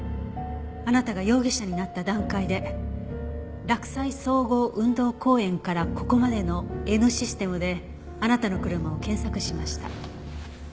あなたが容疑者になった段階で洛西総合運動公園からここまでのＮシステムであなたの車を検索しました。